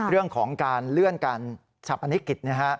เรื่องของการเลื่อนการฉับพนิกิจ